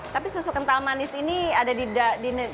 tapi susu kental manis ini ada di daerah bayang bayang buat saya